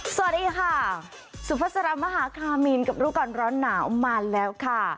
สวัสดีค่ะสุภาษามหาคามีนกับรู้ก่อนร้อนหนาวมาแล้วค่ะ